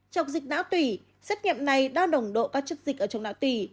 trọc dịch não tủy xét nghiệm này đo đồng độ các chất dịch ở trong não tủy